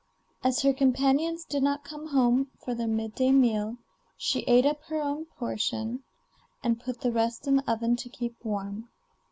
As her companions did not come home for their mid day meal, she ate up her own portion and put the rest in the oven to keep warm.